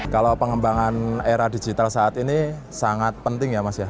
kalau pengembangan era digital saat ini sangat penting ya mas ya